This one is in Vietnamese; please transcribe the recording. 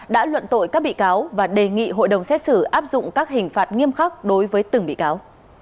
đã luận tội các bị cáo và đề nghị hội đồng xét xử áp dụng các hình phạt nghiêm khắc đối với từng bị cáo